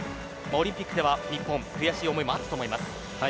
オリンピックでは日本は悔しい思いがあったと思います。